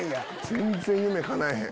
全然夢叶えへん。